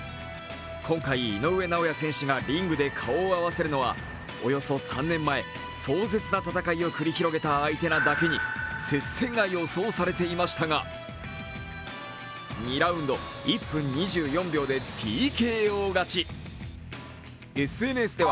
今回、井上尚弥選手がリングで顔を合わせるのはおよそ３年前、壮絶な戦いを繰り広げた相手なだけに接戦が予想されていましたが、２ラウンド１分２４秒でＴＫＯ勝ち。